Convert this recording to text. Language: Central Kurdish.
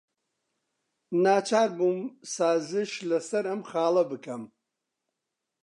ناچار بووم سازش لەسەر ئەم خاڵە بکەم.